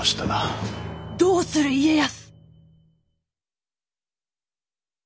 どうする家康。